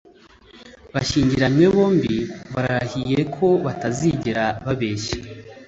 Bashyingiranywe bombi bararahiye ko batazigera babeshya